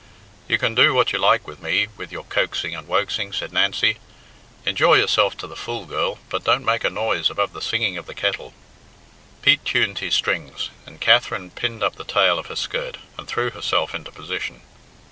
"You can do what you like with me, with your coaxing and woaxing," said Nancy. "Enjoy yourself to the full, girl, but don't make a noise above the singing of the kettle." Pete tuned his strings, and Katherine pinned up the tail of her skirt, and threw herself into position.